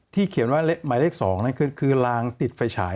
ที่เขียนว่าหมายเลข๒คือรางติดไฟฉาย